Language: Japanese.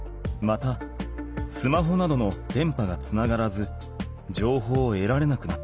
またスマホなどの電波がつながらずじょうほうをえられなくなってきた。